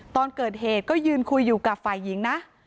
ตอนเกิดเหตุก็ยืนคุยอยู่กับฝ่ายหญิงนะ